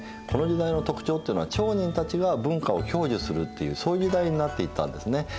この時代の特徴っていうのは町人たちが文化を享受するっていうそういう時代になっていったんですね。